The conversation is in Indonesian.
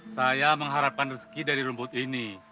saya mengharapkan rezeki dari rumput ini